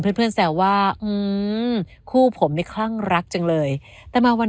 เพื่อนเพื่อนแซวว่าอืมคู่ผมนี่คลั่งรักจังเลยแต่มาวัน